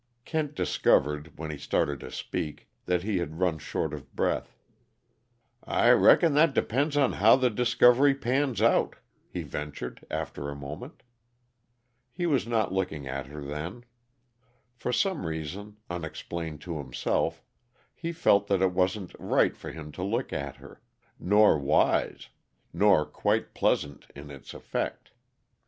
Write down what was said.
Kent discovered, when he started to speak, that he had run short of breath. "I reckon that depends on how the discovery pans out," he ventured, after a moment. He was not looking at her then. For some reason, unexplained to himself, he felt that it wasn't right for him to look at her; nor wise; nor quite pleasant in its effect.